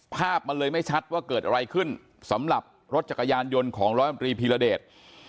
ภาพมันเลยไม่ชัดว่าเกิดอะไรขึ้นสำหรับรถจักรยานยนต์ของร้อยมตรีพีรเดช